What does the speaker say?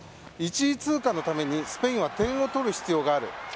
１位通過のためにスペインは点を取る必要がある。